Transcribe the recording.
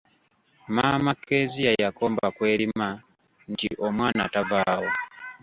Maama Kezia yakomba ku erima nti omwana tavaawo.